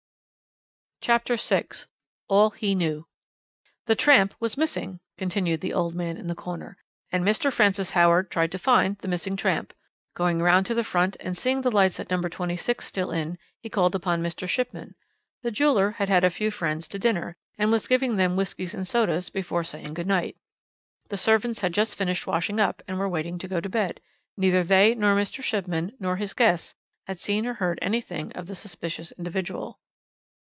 CHAPTER VI ALL HE KNEW "The tramp was missing," continued the man in the corner, "and Mr. Francis Howard tried to find the missing tramp. Going round to the front, and seeing the lights at No. 26 still in, he called upon Mr. Shipman. The jeweller had had a few friends to dinner, and was giving them whiskies and sodas before saying good night. The servants had just finished washing up, and were waiting to go to bed; neither they nor Mr. Shipman nor his guests had seen or heard anything of the suspicious individual.